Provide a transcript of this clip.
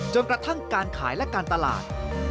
กระทั่งการขายและการตลาด